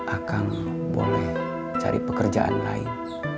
akan boleh cari pekerjaan lain